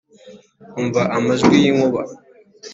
umva amajwi yinkuba,.